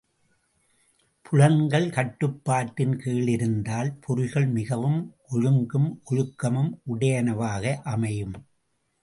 புலன்கள் கட்டுப்பாட்டின் கீழ் இருந்தால் பொறிகள் மிகவும் ஒழுங்கும், ஒழுக்கமும் உடையனவாக அமையும்.